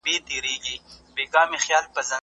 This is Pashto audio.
په لوړ غږ سندرې مه اورئ.